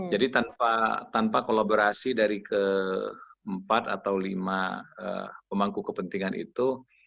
jadi tanpa kolaborasi dari keempat atau lima pemangku kepentingan itu